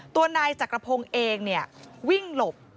ตัวนายจักรพงศ์เองวิ่งหลบ